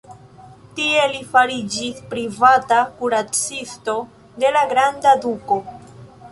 Tie li fariĝis privata kuracisto de la granda duko.